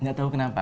nggak tahu kenapa